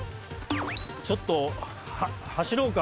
ちょっと走ろうか。